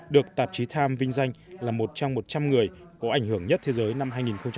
được tạp chí time vinh danh là một trong một trăm người có ảnh hưởng nhất thế giới năm hai nghìn một mươi bốn